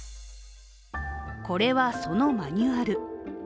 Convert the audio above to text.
これはそのマニュアル。